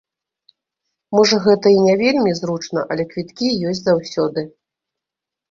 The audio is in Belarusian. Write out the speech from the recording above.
Можа, гэта і не вельмі зручна, але квіткі ёсць заўсёды.